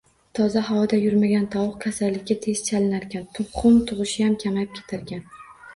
Toza havoda yurmagan tovuq kasallikka tez chalinarkan, tuxum tug‘ishiyam kamayib ketarkan